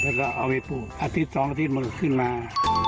แล้วก็เอาไปปลูกอาทิตย์๒อาทิตย์มันก็ขึ้นมา